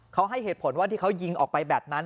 เขาให้เหตุผลว่าที่เขายิงออกไปแบบนั้น